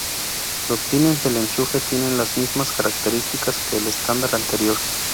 Los pines del enchufe tienen las mismas características que el estándar anterior.